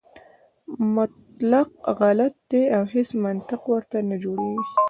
مطلق غلط دی او هیڅ منطق ورته نه جوړېږي.